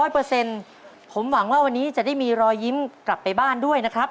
ผมหวังว่าวันนี้จะได้มีรอยยิ้มกลับไปบ้านด้วยนะครับ